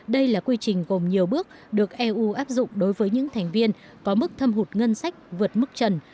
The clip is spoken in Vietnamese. đây là quy trình gồm nhiều bước được eu áp dụng đối với những thành viên có mức thâm hụt ngân sách vượt mức trần